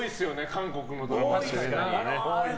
韓国のドラマ。